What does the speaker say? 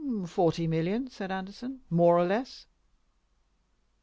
"Forty million," said Anderson, "more or less."